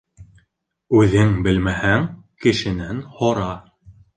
Үҙең белмәһәң, кешенән һора.